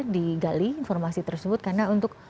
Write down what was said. digali informasi tersebut karena untuk